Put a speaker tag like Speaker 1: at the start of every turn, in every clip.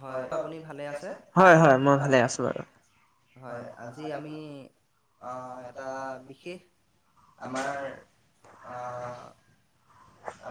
Speaker 1: হয় আপুনি ভালে আছে? হয় আজি আমি অ এটা বিশেষ আমাৰ অ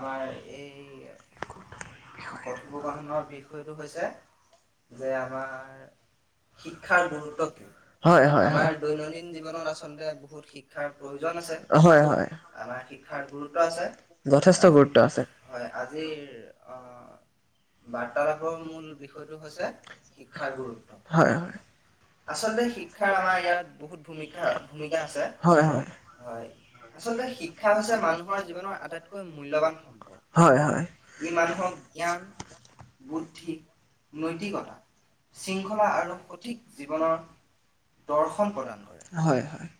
Speaker 1: আমাৰ এই
Speaker 2: কথ ধৰ বিষয় হৈছে যে আমাৰ শিক্ষাৰ গুৰুত্ব হয় হয় আমাৰ দৈনন্দিন জীৱনত আচলতে বহুত শিক্ষাৰ প্ৰয়োজন আছে হয় হয় আমাৰ শিক্ষাৰ গুৰুত্ব আছে যথেষ্ট গুৰুত্ব আছে৷ হয় আজি অ বাৰ্তালাপৰ মূল বিষয়টো হৈছে, শিক্ষাৰ গুৰুত্ব৷ আচলতে শিক্ষাৰ আমাৰ ইয়াত বহুত ভূমিকা আছে৷ হয় আচলতে শিক্ষা হৈছে মানুহৰ জীৱনৰ
Speaker 1: মূল্যবান সম্পদ ই মানুহক জ্ঞান, বুদ্ধি, নৈতিকতা, শৃংখলা আৰু সঠিক জীৱনৰ
Speaker 2: দৰ্শন প্ৰদান হয়৷ হয় হয়৷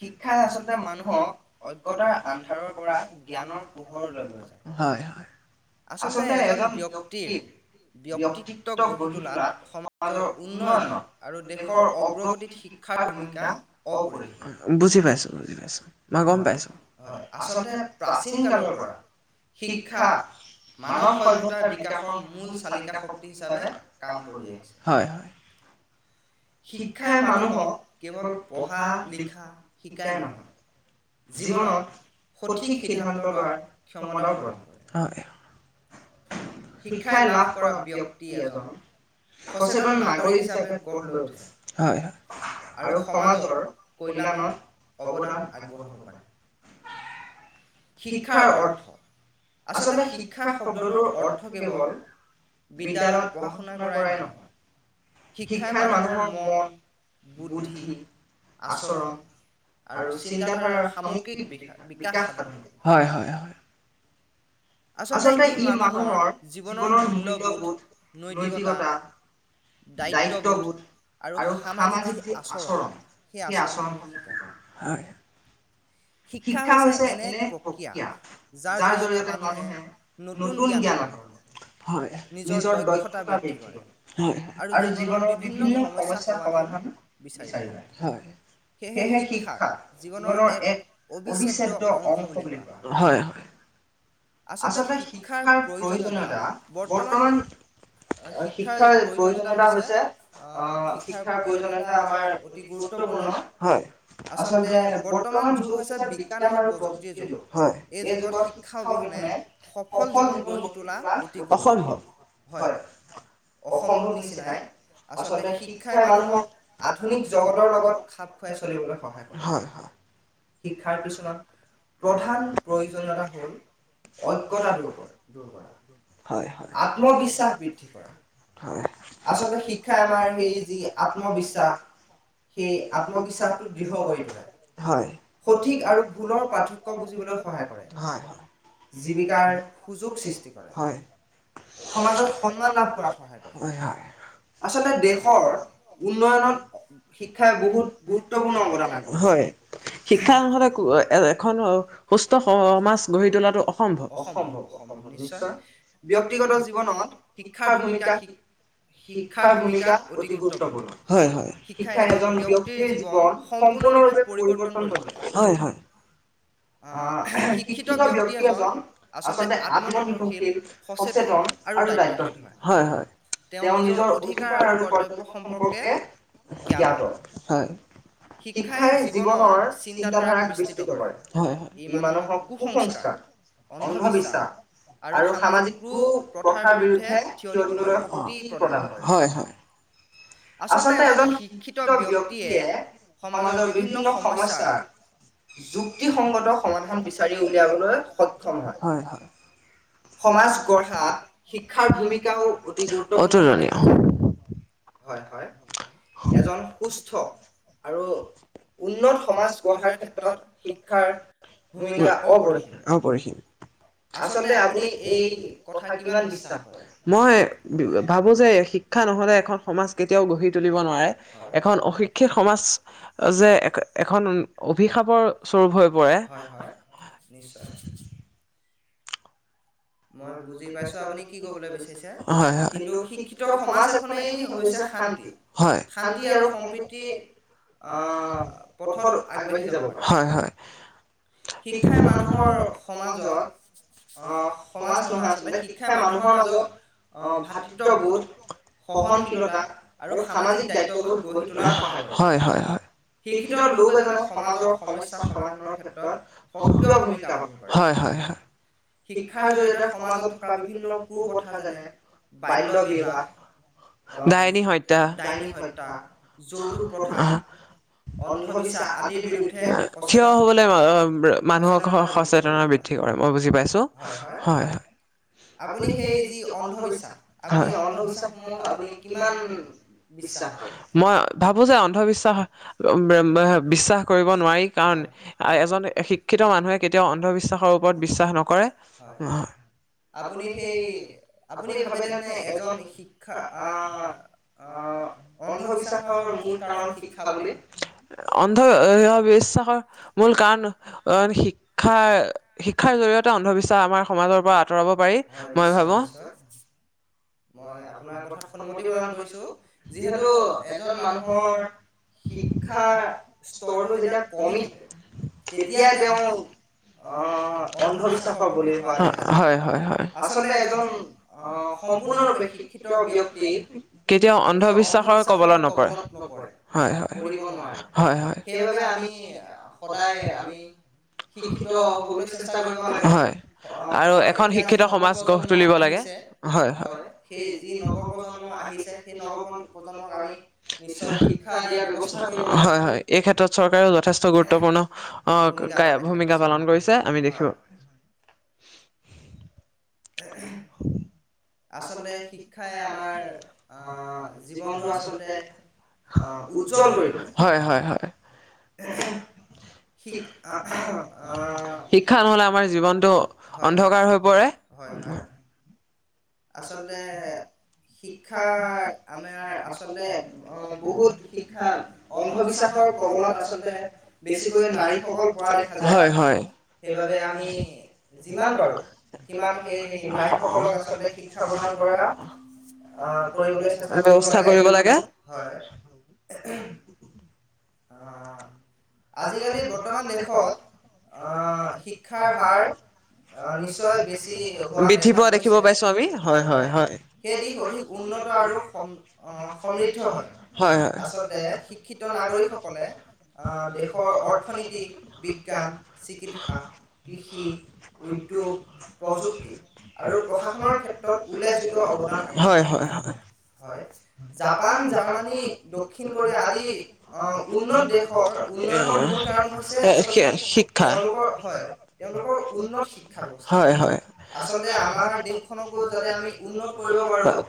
Speaker 2: শিক্ষাই আচলতে মানুহক অজ্ঞতাৰ আন্ধাৰৰ পৰা জ্ঞানৰ পোহৰ লৈ
Speaker 1: আচলতে এজন ব্যক্তিৰ ব্যক্তিত্ব গঢ়ি তোলাত সমাজৰ উন্নয়নত আৰু দেশৰ অগ্ৰগতিত শিক্ষাৰ ভূমিকা অপৰিসীম৷
Speaker 2: বুজি পাইছো বুজি পাইছো মই গম পাইছো৷ হয় আচলতে প্ৰাচীন কালৰ পৰা শিক্ষা মানৱ সভ্যতাৰ বিকাশৰ মূল চালিকা শক্তি হিচাপে কাম কৰি আহিছে৷
Speaker 1: শিক্ষাই মানুহক কেৱল পঢ়া লিখা শিকাই নহয়,
Speaker 2: জীৱনত সঠিক সিদ্ধান্ত লোৱাৰ ক্ষমতাও প্ৰদান কৰে৷ শিক্ষাই লাভ কৰা ব্যক্তি এজন সচেতন নাগৰিক হিচাপে গঢ় লৈ উঠ হয়, হয়। আৰু সমাজৰ কল্যাণত অৱদান আগবঢ়াব পাৰে।
Speaker 1: শিক্ষাৰ অৰ্থ। আচলতে শিক্ষা শব্দটোৰ অৰ্থ কেৱল, বিদ্যালয়ত পঢ়া-শুনা কৰাই নহয়, শিক্ষাই মানুহৰ মন, বুদ্ধি, আচৰণ আৰু চিন্তাধাৰাৰ সামগ্ৰিক বি-বিকাশ সাধন কৰে।
Speaker 2: হয় হয় হয়।
Speaker 1: আচলতে ই মানুহৰ জীৱনৰ মূল্যবোধ, নৈতিকতা,
Speaker 2: দায়িত্ববোধ আৰু সামাজিক যি আচৰণ, সেই আচৰণসমূহ শিকায়। হয়।
Speaker 1: শিক্ষা হৈছে এনে এক প্ৰক্ৰিয়া, যাৰ জৰিয়তে মানুহে নতুন জ্ঞান আহৰণ কৰে।
Speaker 2: নিজৰ দক্ষতা বৃদ্ধি কৰে, হয় হয়। আৰু জীৱনৰ বিভিন্ন সমস্যা সমাধান বিচাৰি লয়, হয়। সেয়েহে শিক্ষা জীৱনৰ এক অবিচ্ছেদ্য অংশ বুলি কোৱা হয়। আচলতে শিক্ষাৰ প্ৰয়োজনীয়তা বৰ্তমান শিক্ষাৰ প্ৰয়োজনীয়তা হৈছে আহ-শিক্ষাৰ প্ৰয়োজনীয়তা আমাৰ অতি গুৰুত্বপূৰ্ণ। হয়। আচলতে বৰ্তমান যুগ হৈছে বিজ্ঞান আৰু প্ৰযুক্তিৰ যুগ। হয়। এই যুগত শিক্ষা
Speaker 1: সফল জীৱন গঢ়ি তোলা অতি কঠিন। হয়। অসম্ভৱ নিচিনাই আচলতে শিক্ষাই মানুহক আধুনিক জগতৰ লগত খাপ খুৱাই চলিবলৈ সহায় কৰে। শিক্ষাৰ কিছুমান প্ৰধান প্ৰয়োজনীয়তা হ'ল
Speaker 2: ঐক্যতা দূৰ কৰ-দূৰ কৰা। হয় হয়। আত্মবিশ্বাস বৃদ্ধি কৰা, হয়। আচলতে শিক্ষাই আমাৰ সেই যি আত্মবিশ্বাস সেই আত্মবিশ্বাসটো দৃঢ় কৰি তোলে। হয়। সঠিক আৰু ভুলৰ পাৰ্থক্য বুজিবলৈ সহায় কৰে। হয় হয়। জীৱিকাৰ সুযোগ সৃষ্টি কৰে। হয়। সমাজত সন্মান লাভ কৰাত সহায় কৰে, হয় হয়। আচলতে দেশৰ উন্নয়নত শিক্ষাই বহুত গুৰুত্বপূৰ্ণ অৱদান আগবঢ়ায়। হয়। শিক্ষা নহ'লে এখন সুস্থ সমাজ গঢ়ি আৰু অসম্ভৱ। অসম্ভৱ, অসম্ভৱ নিশ্চয়। ব্যক্তিগত জীৱনত শিক্ষাৰ ভূমিকা, শি-শিক্ষাৰ ভূমিকা অতি গুৰুত্বপূৰ্ণ। হয় হয়। শিক্ষাই এজন ব্যক্তিৰ জীৱন সম্পূৰ্ণৰূপে পৰিৱৰ্তন কৰিব পাৰে। হয় হয়। আহ শিক্ষিত ব্যক্তি এজন আচলতে আত্মনিৰ্ভৰশীল, সচেতন আৰু দায়িত্বশীল। হয় হয়। তেওঁ নিজৰ অধিকাৰ আৰু কৰ্তব্য সম্পৰ্কে জ্ঞাত। হয়। শিক্ষাই জীৱনৰ চিন্তাধাৰাক বিস্তৃত কৰে। হয় হয়। ই মানুহক কু-সংস্কাৰ অন্ধবিশ্বাস আৰু সামাজিক কু -প্ৰথাৰ বিৰুদ্ধে থিয় দিবলৈ শক্তি প্ৰদান কৰে। হয় হয়। আচলতে এজন শিক্ষিত ব্যক্তিয়ে সমাজৰ বিভিন্ন সমস্যা, যু সংগত সমাধান বিচাৰি উলিয়াবলৈ সক্ষম হয়। হয় হয়। সমাজ গঢ়া, শিক্ষাৰ ভূমিকাও অতি গুৰুত্বপূৰ্ণ। অতুলীয়। হয় হয়। এজন সুস্থ আৰু উন্নত সমাজ গঢ়াৰ ক্ষেত্ৰত ক্ষাৰ ভূমিকা অপৰিসীম। অপৰিসীম। আচলতে আপুনি এই কথা কিমান বিশ্বাস কৰে? মই ভাবো যে শিক্ষা নহ'লে এখন সমাজ কেতিয়াও গঢ়ি তুলিব নোৱাৰে। এখন অশিক্ষিত সমাজ যে এখন অভিশাপৰ স্বৰূপ হৈ পৰে। মই বুজি পাইছো আপুনি কি ক'বলৈ বিচাৰিছে? হয় হয়। কিন্তু শিক্ষিত সমাজ এখনেই হৈছে শান্তি, হয়। শান্তি আৰু সম্প্ৰীতিৰ অহ পথত আগবাঢ়ি যাব পাৰে। হয় হয়। শিক্ষাই মানুহৰ সমাজত আ সমাজ নহয় আচলতে শিক্ষাই মানুহৰ মাজত অহ ভাতৃত্ববোধ, সহনশীলতা আৰু সামাজিক দায়িত্ববোধ গঢ়ি তোলাত সহায় কৰে। হয় হয় হয়। শিক্ষিত লোক এজনে সমাজৰ সমস্যা সমাধানৰ ক্ষেত্ৰত সক্ৰিয় ভূমিকা পালন কৰে হয় হয় হয়। শিক শিক্ষাৰ জৰিয়তে সমাজত থকা বিভিন্ন কুপ্ৰথা যেনে বাল্য বিবাহ ডাইনী হত্যা ডাইনী হত্যা যৌতুক প্ৰথা অহ অন্ধবিশ্বাস আদিৰ বিৰুদ্ধে ঠিয় হব লাগিব অহ মানুহৰ সচেতন বৃদ্ধি কৰিব মই বুজি পাইছো হয় হয় হয় আপুনি সেই অন্ধবিশ্বাস হয় অন্ধবিশ্বাস সমুহ আপুনি কিমান বিশ্বাস কৰে মই ভাবো যে অন্ধবিশ্বাস বিশ্বাস কৰিব নোৱাৰি কাৰণ এজন শিক্ষিত মানুহে কেতিয়াও অন্ধবিশ্বাসৰ ওপৰত বিশ্বাস নকৰে আপুনি সেই আপুনি ভাবে নে এজন শিক্ষা আহ অ অন্ধবিশ্বাসৰ মূল কাৰণ শিক্ষা বুলি অন্ধবিশ্বাসৰ মূল কাৰণ শিক্ষা শিক্ষাৰ জৰিয়তে অন্ধবিশ্বাস আমাৰ সমাজৰ পৰা আঁতৰাব পাৰি মই ভাবো মই আপোনাৰ কথ সন্মতি প্ৰদান কৰিছো যিহেতু এজন মানুহৰ শিক্ষাৰ স্তৰটো যেতিয়া কমিছে তেতিয়াাই তেওঁ আহ অন্ধবি্বাস আচলতে এজন সম্পৰ্পে শিকিতক্তি কেতিয়াও অন্ধবি্বাসৰ কবলৈ নকৰে হ হয় আৰু এখন শিক্ষিত সমাজ গঢ় তুলিব লাগে হয় হয়ৱপজন্ম আহ হয় হয় এই ক্ষেত্ৰত চৰকাৰেও যথেষ্ট গুৰুত্বপূৰ্ণ ভূমিকা পালন কৰিছে আমি দেখিব
Speaker 1: [inaudible]
Speaker 2: শিক্ষা নহলে আমাৰ জীৱনটো অন্ধকাৰ হৈ পৰে আচলতে শিক্ষা আমাৰ আচলতে বহুত শিক্ষা অন্ধবিশ্বাসৰ কবলত আচলতে বেছিকৈ নাৰীসকল পোৱা দেখা যায় হয় হয় সেইবাবে আমি যিমান পাৰো সিমান সেই নাৰীসকলক আচলতে শিক্ষা প্ৰদান কৰা ব্যৱস্থা কৰিব লাগে আজিকালি বৰ্তমান দেশত আহ শিক্ষাৰ হাৰ নিশ্চয় বেছি বৃদ্ধি পোৱা দেখিব পাইছো আমি
Speaker 1: হয় হয় সেই দিশ অধিক উন্নত আৰু সম সমৃদ্ধ হয় আচলতে শিক্ষিত নাগৰিকসকল
Speaker 2: আহ দেশৰ অৰ্থনীতি বিজ্ঞান চিকিৎসা কৃষি উদ্যোগ প্ৰযুক্তি আৰু প্ৰশাসনৰ ক্ষেত্ৰত উল্লেখ যোগ্য অবদন, হয় হয় হয় জাপান জাৰমানী দক্ষিণ কোৰিয়া আদি উন্নত দেশৰ উন্নত শিক্ষা হয় হয়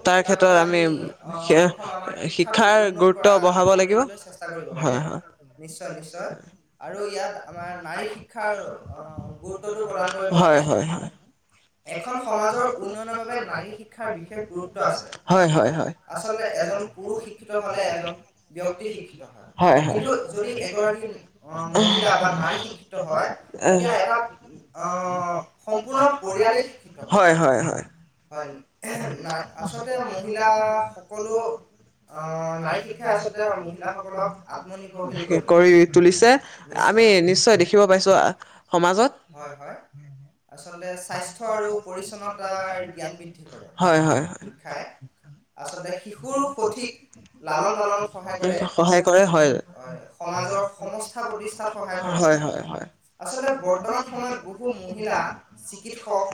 Speaker 2: তাৰ ক্ষেত্ৰত আমি শিক্ষাৰ গুৰুত্ব বঢ়াব লাগিব। হয় হয়, নিশ্চয় নিশ্চয় আৰু ইয়াত আমাৰ নাৰী শিক্ষাৰ গুৰুত্বটো প্ৰদান হয়। এখন সমাজৰ উন্ন- নাৰী শিক্ষাৰ বিশেষ গুৰুত্ব আছে। হয় আচলতে এজন পুৰুষ শিক্ষিত হলে এজন ব্যক্তি শিক্ষিত হয়। হয় হয়, এইটো যদি এগ মহিলা বা নাৰী হয় তেতিয়া এটা সম্পৰ্ণ পৰিয়াল হয় হয় হয়।
Speaker 1: হয়, ন আচলতে মহিলাসকলো নাৰী শিক্ষাই আচলতে মহিলাসকলক আ আত্মনিৰ্ভৰশীল কৰি তোলে। নিশ্চয় হয় হয় আচলতে স্বাস্থ্য আৰু পৰিচ্ছন্নতাৰ জ্ঞান বৃদ্ধি কৰে, শিক্ষাই আচলতে শিশুৰ সঠিক লালন পালনত সহায় কৰে।
Speaker 2: সমাজ সমষ্ঠা প্ৰতিষ্ঠাত সহায় কৰে। আচলতে বৰ্তমান সময়ত বহুত মহিলা চিকিৎসক,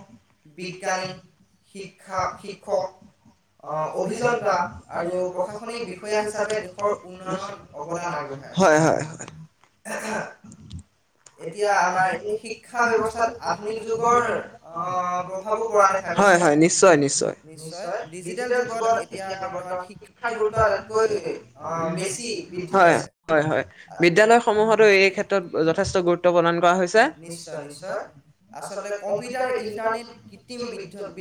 Speaker 2: বিজ্ঞানী শিক্ষা শিক্ষক আহ অভিযন্তা আৰু প্ৰশাসনিক বিষয়া হিচাপে দেশৰ উন্নয়ত অবদান আগবঢ়াই। হয় হয় এতিয়া আমাৰ এই শিক্ষা ব্যৱস্থাত আধুনিক যুগৰ আহ প্ৰভাৱো পৰা নাই, হয় হয় নিশ্চয় নিশ্চয় নিশ্চয় ডিজিটেল যুগৰ এতিয়া বৰ্তমান শিক্ষাৰ গুৰুত্ব আটাইতকৈ বেছি। হয় হয় হয় বিদ্যালয় সমূহতো এই ক্ষেত্ৰত যথেষ্ট গুৰুত্ব প্ৰদান কৰা হৈছে নিশ্চয় নিশ্চয় আচলতে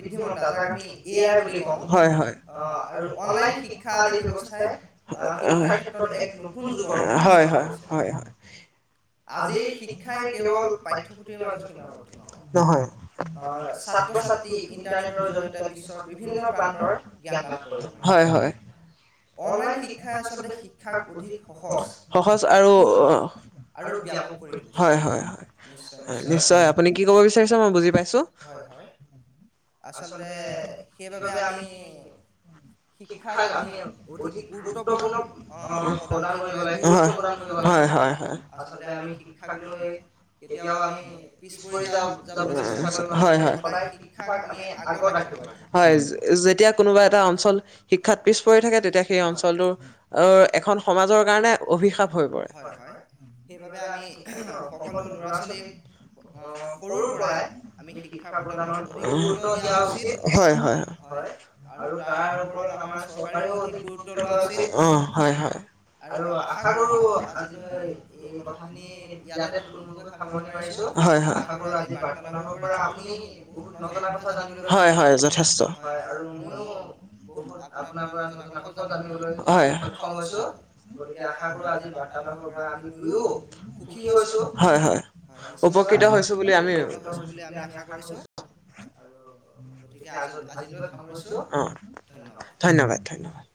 Speaker 2: বৃদ্ধিমত্তাএ আই বুলি ক হয় অনলাইন শিক্ষা আদি ব্যৱস্থাই [unintelligible] [unintelligible] [unintelligible] সহজ আৰু হয় হয় নিশ্চয় আপুনি কি কব বিচাৰিছে মই বুজি পাইছো। আচলতে সেইবাবে আমি শিক্ষাক আমি অধিক গুৰুত্বপূৰ্ণ [unintelligible] হয় যেতিয়া কোনোবা এটা অঞ্চল শিক্ষাত পিছ পৰি থাকে তেতিয়া সেই অঞ্চলটোৰ অ এখন সমাজৰ কাৰণে অভিশাপ হৈ পৰে। হয় হয় সেইবাবে আমি সকলো লৰা-ছোৱালী সৰু পৰাই আমি শিক্ষা প্ৰদানৰ গুৰুত্ব দিয়া উচিত হয় হয় হয় আৰু তাৰ ওপৰত আমাৰ চৰকাৰেও অধিক গুৰুত্ব দিয়া উচিত। অ হয় হয় আৰু আশা কৰো আজিলৈ এই কথাখিনি ইয়াতেই থুলমূলকৈ সামৰণি মাৰিছো হয় হয় আশা কৰো আজি বপৰা আপুনি
Speaker 1: বহুত নজনা কথা জানিবলৈ পাইছে হয় আৰু ময়ো বহুত আপোনাৰ পৰা নজনা কথাও জানিবলৈ
Speaker 2: হয় সক্ষম হৈছো গতিকে আশা কৰো আজি বাৰ্তাৰ লাভ পৰা আমি দুয়ো সুখী হৈছো হয় হয় উপকৃত হৈছো বুলি আমি আশা কৰিছো। অ ধন্যবাদ ধন্যবাদ